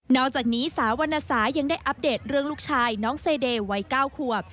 อกจากนี้สาววรรณสายังได้อัปเดตเรื่องลูกชายน้องเซเดย์วัย๙ขวบ